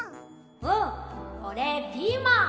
うん！おれピーマン！